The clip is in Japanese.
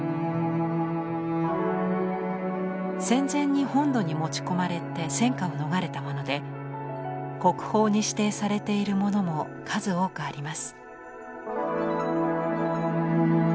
戦前に本土に持ち込まれて戦火を逃れたもので国宝に指定されているものも数多くあります。